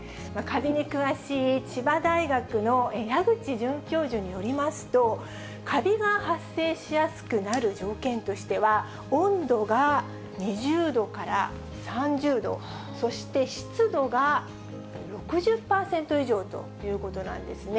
かびに詳しい千葉大学の矢口准教授によりますと、かびが発生しやすくなる条件としては、温度が２０度から３０度、そして湿度が６０％以上ということなんですね。